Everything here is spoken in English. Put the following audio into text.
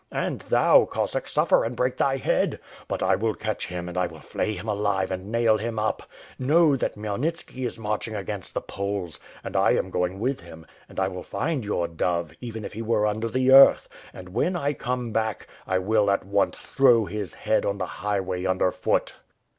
And thou, Cossack, suffer and break thy head! But I will catch him and I will flay him alive and nail him up. Know, that Khmyelnitski is march ing against the Poles, and I am going with him; and 1 will find your dove, even if he were under the earth. And when I come back, I will at once throw his head on the highway under foot.